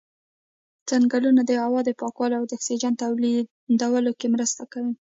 ځنګلونه د هوا د پاکولو او د اکسیجن تولیدولو کې مرسته کوي.